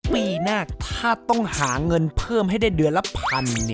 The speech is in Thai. ปีหน้าถ้าต้องหาเงินเพิ่มให้ได้เดือนละพัน